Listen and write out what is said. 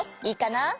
いいかな？